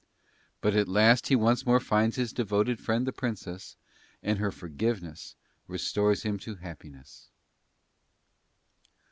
But at last he once more finds his devoted friend the Princess, and her forgiveness restores him to happiness.